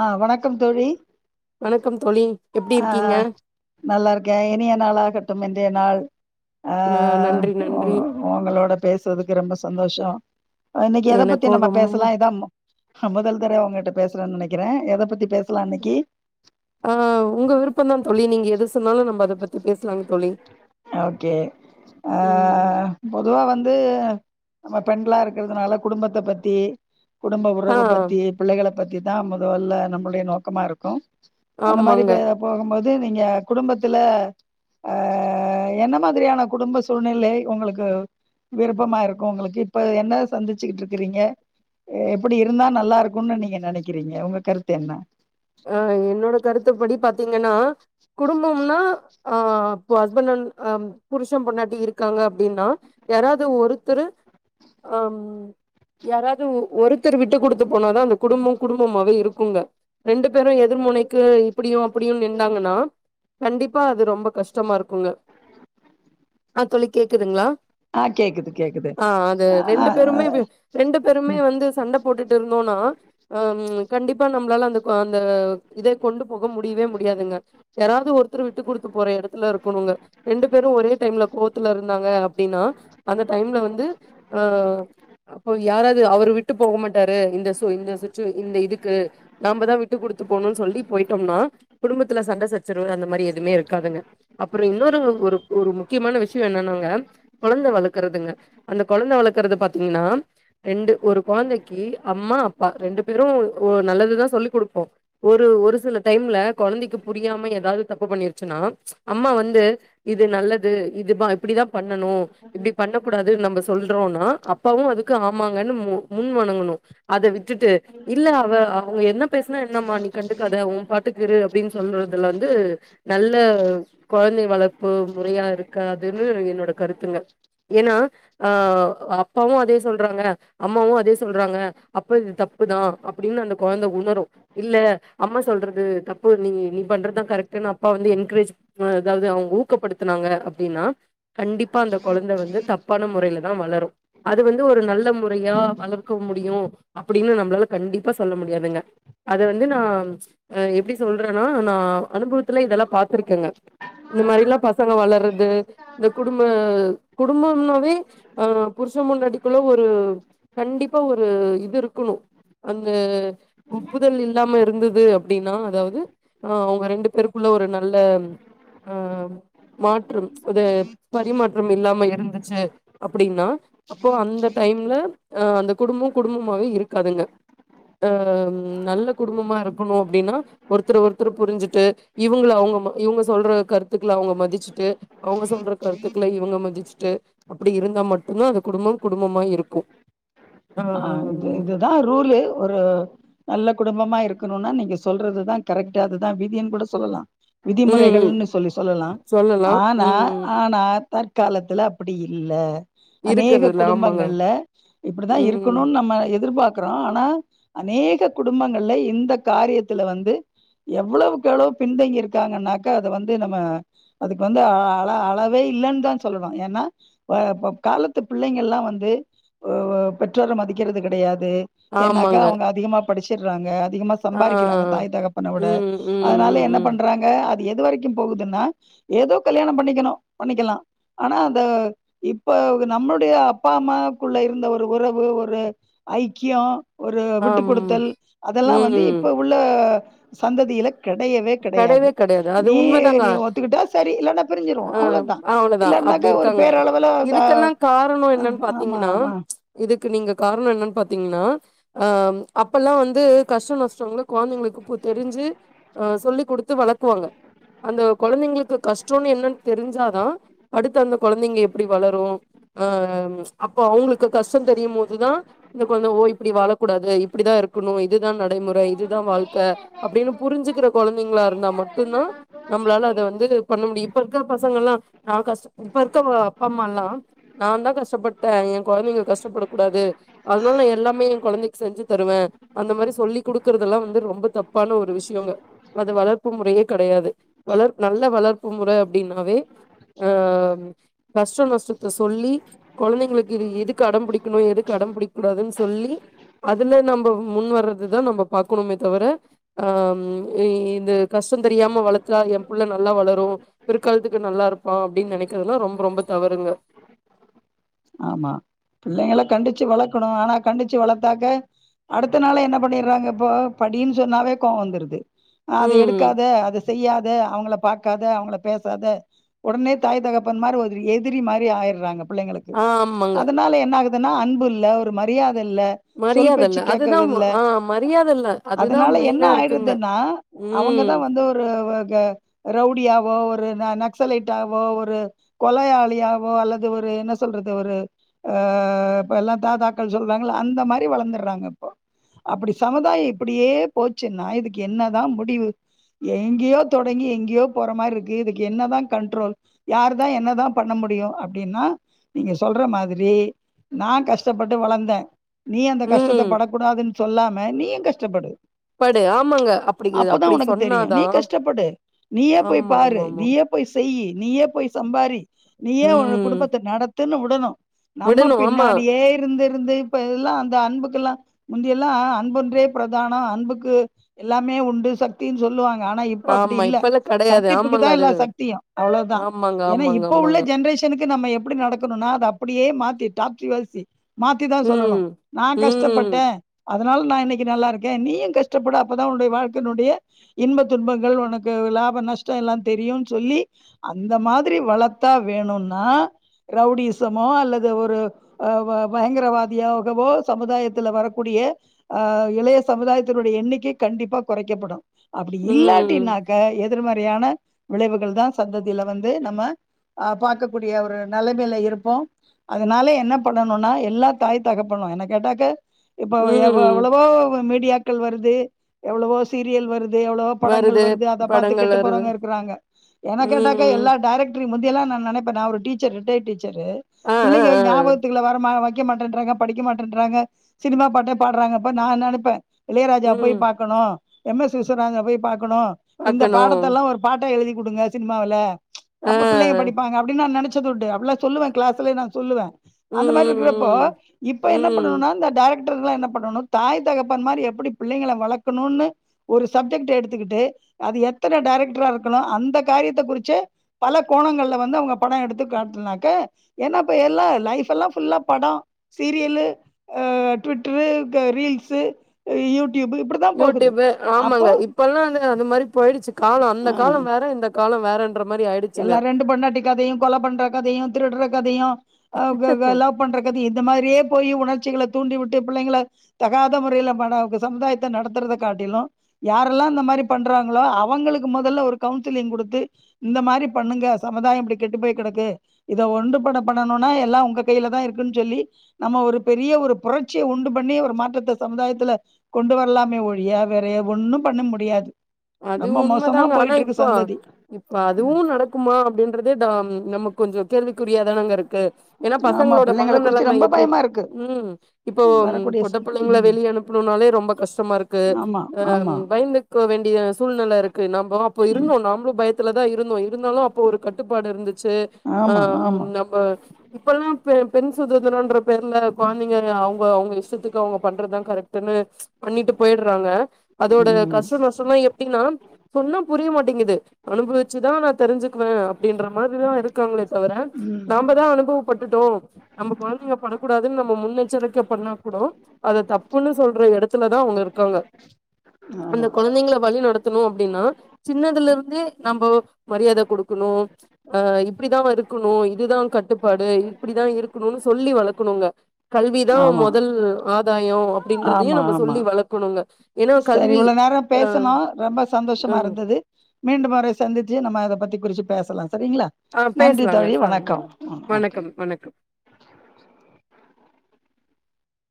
ஆ வணக்கம் தோழி வணக்கம் தோழி எப்டி ஆ இருக்கீங்க நல்லா இருக்கே இனிய நாளாகட்டும் இன்றைய நாள் ஆ ந நன்றி உ நன்றி உங்களோட பேசறதுக்கு ரொம்ப சந்தோஷ ஆ இன்னைக்கு எத பத்தி எனக்கு நம்ம ரொம்ப பேசலா இத மு முதல் தர உங்கட்ட பேச றே நெனைக்கிறே எத பத்தி பேசலா இன்னைக்கு ஆ உங்க விருப்பம் தான் தோழி நீங்க எது சொன்னாலு நம்ம அத பத்தி பேசலாங் தோழி அ ம் பொதுவா வந் வந்து நம்ம பெண்களா இருக்கிறதுனால குடும்பத்த பத்தி குடும்ப ஆ உறவு பத்தி பிள்ளைகள பத்தி தா முதல்ல நம்மளுடைய நோக்கமா இருக்கு அந்த மாரி ஆமாங்க பே போகும்போது நீங்க குடும்பத்துல அ என்ன மாதிரியான குடும்ப சூழ்நிலை உங்களுக்கு விருப்பமா இருக்கு உங்களுக்கு இப்ப என்ன சந்திச்சுக்கிட்டு இருக்கிறீங்க எப்டி இருந்தா நல்லா இருக்கும்னு நீங்க நெனைக்கிறீங்க உங்க கருத்து என்ன அ என்னோட கருத்தை படி பாத்தீங்கன்னா குடும்பம்னா அ இ ஹஸ்பண்ட்ஹ் புருஷம் பொண்ணாட்டி இருக்காங்க அப்படின்னா யாராவது ஒருத்தர் அ ம் யாராவது ஒருத்தர் விட்டு குடுத்து போனாதா அந்த குடும்பம் குடும்பமாவே இருக்குங்க ரெண்டு பேரு எதிர்முனைக்கு இப்டியு அப்டியு நிண்ணாங்கனா கண்டிப்பா அது ரொம்ப கஷ்டமா இருக்குங்க ஆ தோழி கேக்குதுங்ளா ஆ கேக்குது கேக்குது ஆ அது ஆ ஆ ரெண்டு ஆ, பேருமே வி ரெண்டு பேருமே ம் வந்து சண்ட போட்டுட்ருந்தோனா அ ம் கண்டிப்பா நம்ளால அந்த கோ அந்த இத கொண்டு போக முடியவே முடியாதுங்க யாராவது ஒரு தரு விட்டு குடுத்து போற எடத்துலருக்குனுங்க ரெண்டு பேரு ஒரே டைம்ல கோவத்துல இருந்தாங்க அப்டினா அந்த டைம்ல வந்து ஆ அப்போ யாராவது அவரு விட்டு போக மாட்டாரு இந்த சு இந்த சுச்சு இந்த இதுக்கு நாம்பதா விட்டு குடுத்து போனுன் சொல்லி போயிட்டம்னா குடும்பத்துல சண்ட சச் சரவு அந்த மாரி எதுமே இருக்காதுங்க அப்றோ இன்னொரு ஒரு ஒரு முக்கியமான விஷ்ய என்னனாங்க கொழந்த வளக்கறதுங்க அந்த கொழந்த வளக்கறது பாத்தீங்னா ரெண்டு ஒரு கொழந்தைக்கு அம்மா அப்பா ரெண்டு பேரு ஓ நல்லதுதா சொல்லிக் குடுப்போ ஒரு ஒரு சில டைம்ல கொழந்தைக்கு புரியாம ஏதாவது தப்பு பண்ணிருச்சுனா அம்மா வந்து இது நல்லது இது பா இப்டிதா பண்ணணு இப்டி பண்ணக்கூடாது நம்ப சொல்றோனா அப்பாவு அதுக்கு ஆமாங்கன் மு முன் வணங்கணு அத விட்டுட்டு இல்ல அவ அவுங்க என்ன பேஸ்னா என்னம்மா நீ கண்டுக்காத ஊ பாட்டுக்கிரு அப்டின் சொல்றதுல வந்து நல்ல கொழ ந்தை வளர்ப்பு முறையா இருக்காதுன்னு என்னோட கருத்துங்க ஏனா ஆ அப்பாவு அதே சொல்றாங்க அம்மாவு அதே சொல்றாங்க அப்ப இது தப் புதா அப்டின் அந்த கொழந்த உணரு இல்ல அம்மா சொல்றது தப்பு நீ நீ பண்றதா கரெட்டுன் அப்பா வந்து என்க்ரேஜ் எதாவது அவுங் ஊக்கப் படுத்துனாங்க அப்டினா கண்டிப்பா அந்த கொழந்த வந்து தப்பான முறைல தா வளரு அது வந்து ஒரு நல்ல முறையா வளர்க்க முடியு அப்டின்னு நம்பளால கண்டிப்பா சொல்ல முடியாதுங்க அத வந்து நா ப்ச் அ எப்டி சொல்றனா நா அனுபவத்துல இதெல்லா பாத்துருக்கேங்க இந்த மாரிலா பசங்க வளறது இந்த குடும்ப குடும்பம்னாவே அ புரு ச பொண்டாட்டிக்குள்ள ஒரு கண்டிப்பா ஒரு இது இருக்கணு அந்த ஒப்புதல் இல்லாம இருந்தது அப்டினா அதாவது ஆ அவுங்க ரெண்டு பேருக்குள்ள ஒரு நல்ல ஆ மாற்றம் அது பரிமாற்றம் இல்லாம இருந்துச்சி அப்டினா அப்போ அந்த டைம்ல அ அந்த குடும்பம் குடும்பமாவே இருக்காதுங்க ஆ ம் நல்ல குடும்பமா இருக்கணு அப்டினா ஒருத்தர் ஒருத்தரு புரிஞ்சிட்டு இவுங்லா அவுங்க ம இவுங்க சொல்ற கருத்துக்கள அவுங்க மதிச்ட்டு அவுங்க சொல்ற கருத்துக்கள இவுங்க மதிச்ட்டு அப்டி இருந்தா மட்டுதா அது குடும்பம் குடும்பமா இருக்கு ஆ இது இதுதா ரூலு ஒரு நல்ல குடும்பமா இருக்கணுனா நீங்க சொல்றது தா கரெக்ட்டு அதுதா விதின் கூட சொல்லலா ம் விதிமுறைகள்னு சொல்லி சொல்லலா சொல்லலா ஆனா ம் ஆனா தற்காலத்துல அப்டி இல்ல அநேக இருக்கறதுல ஆமாங்க குடும்பங்கள்ல இப்டிதா ம் இருக்கணுன் நம்ம எதிர்பாக்கறோ ஆனா அநேக குடும்பங்கள்ல இந்த காரியத்தில வந்து எவ்வளவுக் எவ்ளோ பின்தங்கி இருக்காங்கன்னாக்க அத வந்து நம்ம அதுக்கு வந்து அ அள அளவை இல்லன் தா சொல்லுவே ஏனா ப்ப இப்பப் காலத்து பிள்ளைங்கள்லா வந்து ஒ ஒ பெற்றோர மதிக்கிறது கெடையாது ஏனாக்கா ஆமாங்க அவுங்க அதிகமா படிச்சிறாங்க அதிகமா ஆ சம்பாரிக்கிறாங்க தாய் தகப்பன வுட ம் ம் அதனால ம் என்ன ம் பண்றாங்க அத எது வரைக்கு போகுதுன்னா ஏதோ கல்யாண பண்ணிக்கணு பண்ணிக்கலா ஆனா அந்த இப்ப நம்மளுடைய அப்பா அம்மாக்குள்ள இருந்த ஒ ரு உறவு ஒரு ஐக்கியோ ஒரு விட்டு ஆம் குடுத்தல் அதெல்லா வந்து ம் இப்ப உள்ள சந்ததியில கெடையவே கெடையாது கெடையவே அது நீயே உண்மதாங்க நீ ஒத்துக்கிட்டா சரி இல்லனா பிரிஞ்சிருவோ ஆ அவ்ளோதா அவ்ளோதா இல்ல அப்டி இருக்காங்க இதுக்கெல்லா காரணோ என்னன் ஆமா பாத்தீங்கனா ஆமா ப்ச் இதுக்கு நீங்க காரணோ என்னன் பாத்தீங்னா ஆ ம் அப்பெல்லா வந்து கஷ்டோ நஷ்டங்ளு கொழந்தைங்களுக் குப்பு தெரிஞ்சு ஆ சொல்லி் குடுத்து வெளக்குவாங்க அந்த கொலந்திங்ளுக்கு கஷ்டோன் என்னன் தெரிஞ்சாதா அடுத்து அந்த கொலந்தைங்க எப்டி வளரு ஆ ஆ அப்ப அவுங்ளுக்கு கஷ்டந் தெரியுமோது தா இந்த கொல்ந்த ஒ இப்புடி வாலக்கூடாது இப் இப்டிதா இருக்குணு இதுதா நடைமுற இதுதா வால்க்க அப்டின் புரிஞ்சிக்ற கொலந்தைங்ளா இர்ந்தா மட்டுந்தா நம்ளால அத வந்து பண்ண முடியு இப்ப இர்க்க பசங்கலா நா கஷ்ட இப்ப இருக்க வ அப்பாம்மால்லா நாந்தா கஷ்டப்பட்ட ஏ கொழந்தைங் கஷ்டப்படக் கூடாது அத்னால நா எல்லாமே ஏ கொலந்தைக் செஞ்சி தருவே அந்த மாரி சொல்லி குடுக்குறதுல்லா து ரொம்ப தப்பான ஒரு விஷியோங்க அது வளர்ப்பு முறயே கடயாது வளர்ப் நல்ல வளர்ப்பு முற அப்டின்னாவே ஆ கஷ்ட நஷ்ட த சொல்லி கொழந்தைங்ளுக்கு எதுக்கு அடம் புடிக்னு எதுக்கு அடம் புடிக் கூடாதுன்ஸ் சொல்லி அதுல நம்ப முன் வர்றதுதா நம்ப பாக்குனுமே தவர ஆ எ இது கஷ்டந் தெரியாம வளத்ரா ஏம் புள்ள நல்லா வளரு பிற்காலத்துக்கு நல்லாருப்பா அப்டின் நெனக் க்துலா ரொம் ரொம்ப தவறுங்க [inaudible] ஆமா பிள்ளைங்கள கண்டுச்சு வளக்கணு ஆனா கண்டுச்சு வளத்தாக்க அடுத் துனாலே என்ன பண்ணிற்றாங்க இப்போ படின் சொன்னாவே கோ வந்துருது அது ம் எடுக்காத அத செய்யாத அவங்கள பாக் க்காத அவுங்ள பேசாத ஒடனே தாய் தகப்பன் மாரி ஒதுரி எதுரி மாரி ஆயிற்றாங்க புள்ளைங்களுக்கு ஆமாங்க அதனால என்னாகுதுனா அன்பு இல்ல ஒரு மரியாத் இல்ல சொல் மரியாத இல்ல பேச்சு அதுதா கேக்கதுல்ல ஆ மரியாத இல்ல அதுதா அதனால என்ன மெயினா இருக்குங்க ஆயிட்றதென்னா ம் அவங்கதா வந்து ஒரு வ க ரவ்டியா போ ஒரு ந நக்சலைட்டாக்வோ ஒரு கொலயாளியாவோ அல்லது ஒரு என்ன சொல்றத் ஒரு ஆ இப்ப எல்லா தாதாக்கள் சொல்றாங்ல அந்த மாரி வளந்துற்றாங்க இப்போ அப்புடி சமுதாயி இப்புடியே போச்சுன்னா இதுக்கு என்னதா முடிவு ஏங்யோ தொடங்கி எங்யோ போற மார்ருக்கு இதுக்கு என்னதா கண்ட்ரோல் யார்தா என்னதா பண்ணம் முடியு அப்டின்னா நீங்க சொல்ற மாதுரி நா கஷ்ட்டப்பட்டு வளந்த நீ அந்த கஷ்ஷத்த ம் படக்கூடாதுன் சொல்லாம நீயு கஷ்ட்டப்படு படு ஆமாங்க அப்டி அப்பதா அப்டி உனக்கு தெரியு நீ சொன்னாதா கஷ்ட்டப்படு நீயே போய் ஆமா ஆமா பாரு ஆமா நீயேப் போய் செய்யி நீயே போய் சம்பாரி நீயே ஒழ ம் குடும்பத்த நடத்துனு உடனு நம்ம விடணு ஆமா பின்னாடியே இருந்து இருந்து இப்ப எல்லா அந்த அன்புக்கெல்லா முந்தியெல்லா அன்பொன்றே ப்ரதான அன்புக்கு எல்லாமே உண்டு சக்தின் சொல்லுவாங் ஆனா இப்ப அப்புடி ஆமா இல்ல இப்பல்லா கெடையாது கண்டிப்புக்கு ஆமாங்க தா அது எல்லா சக்தியு அவுளோதா ஆமாங்க ஏனா ஆமாங்க இப்ப உள்ள ஆமாங்க ஜென்ரேஷ் சனுக்கு நம்ம எப்புடி நடக்கணுனா அது அப்புடியே மாத்தி டாக்சிவர்சி மாத்திதா சொல்லணு ம் நா ம் கஷ்ட்டப்பட்டே அதனால நா இன்னக்கி நல்லாருக்கே நீயு கஷ்ட்டப்படு அப்பதா உன்னுடை வாழ்க்கெனொடிய இன்ப துன்பங்கள் ஒனக்கு லாப நஷ்ட எல்லா தெரியூன் சொல்லி அந்த மாதுரி வளத்தா வேணுன்னா ரவ்டிசமோ அல்லத ஒரு அ வ வயங்கரவாதியோகவோ சமுதாயத்துல வரக்கூடிய ஆ இளய சமுதாயத்தினுட எண்ணிக்கை கண்டிப்பா கொறக்கப்படு அப்டி ம் இல்லாட்டினாக்க எத் திர்மறையான விளைவுகள் தா சந்ததில வந்து நம்ம அ பாக்கக்கூடிய ஒரு நலமேல இருப்போ அதனால என்ன பண்ணணுனா எல்லா தாய் தகப்பனு என்ன கேட்டாக்க இப்ப எவ் ம் எவளவோ மீடியாக்கள் வருது எவ்ளவோ சீரியல் வருத் எவ்ளவோ படங்கள் வருது அத பாத்து படங்கள் கெட்டு வருது போறவ்ங்க இருக்குறாங்க என்ன கேட்டாக்க ம் எல்லா டேரெக் ட்ரி முந்தியல்லா நா நனைப்ப நா ஒரு டீ ச்ச ரிட்டை டீச்சரு ஆ ஆ புள்ளைங்க ஆ ஞாபகத்துக்குள்ள வர ம வக்க மட்டன்றாங்க படிக்க மாட்டன்றாங்க சினிம் ரா பாட்டே பட்டே பாட்றாங்கப்ப நா நனப்பே இளைராஜா போய் ம் பாக்கணு எம் எஸ் விஸ்வராஜன போய் பாக்கணு இந்த பாக்கணு பாடத்தெல்லா ஒரு பாட் டா எலுதி குடுங்க சின்மாவில் ஆ அப்ப புள்ளைங்க படிப்பாங்க அப்டினா நா நெனச் சதுண்டு அப்புலா சொல்லுவ கிளாஸுல ம் அந்த மாரி இருக்கறப்போ ம் இப்ப ம் என்ன ம் பண்ணணுன்னா இந்த டைரக்ட் டர்லா என்ன பண்ணணு தாய் தகப்பன் மாரி எப்பிடி பிள்ளைங்கள வளக்கணுன்னு ஒரு சப்ஜெக்ட் எடுத்துக்கிட்டு அது எத்தன டைரக்டரா இருக்கணு அந்த காரியத்த குறிச்சு பல கோணங்களல வந்து அவங்க படோ எடுத்து காட்டனாக்க என்னா ப்ப எல்லா லைஃபெல்லா ஃபுல்லா படோ சீரியல்லு அ ட் விட்டரு க்க ரீல்ஸு அ யூடியூப் இப்படிதான் போகுது யூடியூப்பு ஆமாங்க அப்போ இப்பல்லா அந்த அந்த மாரி போயிடுச்சு காலோ அந்த காலோ வேற இந்த காலோ வேற எல்லா ரெண்டு பொண்ணாட்டி கதையு கொல பண்ற கதையு திருடுற கதையு அ க க லவ் பண்றக்கத இத மாரியே போய் உணர்ச்சிகள தூண்டி உட்டு புள்ளைங்கள தகாத முறையில படோ இப்ப சமுதாயத்த நடத்துறத காட்டிலு யாரெல்லா இந்த மாரி பண்றாங்களோ அவங்களுக்கு மொதல்ல ஒரு கவுன்சிலிங் குடுத்து இந்த மாரி பண்ணுங்க சமுதாயோ இப்பிடி கெட்டு போய் கெடக்கு இத ஒன்றுபட பண்ணணுன்னா எல்லா உங்க கையில தா இருக்கு ன் சொல்லி நம்ம ஒரு பெரிய ஒரு புரட்சியை உண்டு பண்ணி ஒரு மாற்றத்த சமுதாயத்துல கொண்டு வரலாமே ஒழிய வேற ஒண்ணு பண்ண முடியாது அது ரொம்ப உண்ம மோசமா தாங்க ஆனா போயிட்டு இருக்கு இப்போ சந்ததி இப்ப அ அதுவு ம் நடக்குமா அப்டின்றதே டா நமக்கு கொஞ்சோ கேள்விக்குரியாதானங்க இருக் கு ஏன்னா ஆமா பசங்களோட பிள்ளைங்கள மன குறிச்சு நெலம ரொம்ப எப்பிடி பயமா இருக்கு ம் இப்போ வரக்கூடிய ஸ் பொட்ட புள்ளைங்கள ம் வெளியே அனுப்புணுனாலே ரொம்ப கஷ்டமாருக்கு ஆமா அ ஆமா பயந்துக்க வேண்டிய அ சூழ்நெல இருக்கு நம்ம அப்ப ம் இருந்தோ நம்பளு பயத்தல தா இ இருந்தோ இருந்தாலு அப்ப ஒரு கட்டுப்பாடு இருந்துச்சு அ ஆமா ஆமா நம்ப இப்பல்லா பெ பெண் சுதந்திரன்ற பேர்ல கெழந்தைங்க அவுங்க அவுங்க இஷ்டத்துக்கு அவுங்க பண்றதுதா கரெக்ட்ன்னு பண்ணிட்டு போயிட்றாங்க அதோட ம் கஸ்டோ நஸ்டோலா எப்டின்னா சொன்னா புரிய மாட்டேங்கிது அனுபவிச்சுதா நா தெரிஞ்சுக்குவேன்ன அப்டின்ற மாரிதா இருக்காங்களே தவற ம் நாம்ப தா அனுபவப்பட்டுட்டோ நம்ப கொழந்தைங்க படக்கூடாதுன்னு நம்ம முன்னெச்சரிக்கை பண்ணா கூடோ அத தப்புன்னு சொல்ற எடத்துல தா ங்க இருக்காங்க ஆமா ங்க வழி நடத்தணு அப்டின்னா சின்னதுலருந்தே நம்போ மரியாத குடுக்கணு அ இப்படிதா அவ இருக்கணு இதுதா கட்டுப்பாடு இந் இப்பிடிதா இருக்குணுன்னு சொல்லி வளக்குணுங்க கல்விதா ஆமா மொதல் ஆதாயோ அப்டின்றதையு ஆமா நம்ம ஆமா சொல்லி வளக்கணுங்க ஏன்னா கல்வி அ பேசனு ரொம்ப ம் சந்தோஷமாருந்தது மீண்டும் மொறை சந்திச்சு நம்ம அதப்பத்தி குறிச்சு பேசலாங் சரிங்களா ஆ நன்றி பேசலாங்க தோழி சா வணக்கம் வணக்கம் வணக்கம்